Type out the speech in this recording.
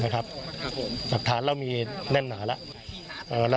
กลุ่มตัวเชียงใหม่